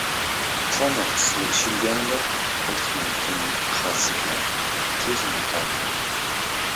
• Qonib suv ichilganida quduqni kim qazigani tez unutiladi.